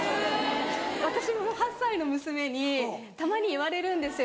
私も８歳の娘にたまに言われるんですよ。